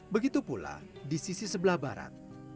begitu pula di sisi sebelah barat